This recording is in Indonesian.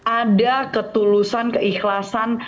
ada ketulusan keikhlasan